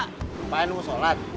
lumpain mu sholat